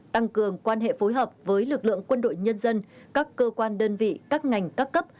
tăng cường quan hệ phối hợp với lực lượng quân đội nhân dân các cơ quan đơn vị các ngành các cấp